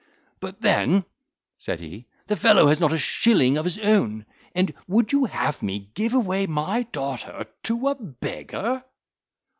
"But then," said he, "the fellow has not a shilling of his own, and would you have me give away my daughter to a beggar?"